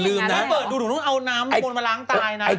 คุณหมอโดนกระช่าคุณหมอโดนกระช่า